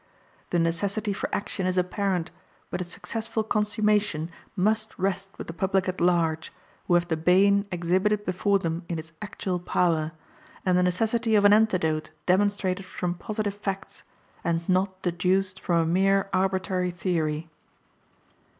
The necessity for action is apparent, but its successful consummation must rest with the public at large, who have the bane exhibited before them in its actual power, and the necessity of an antidote demonstrated from positive facts, and not deduced from a mere arbitrary theory.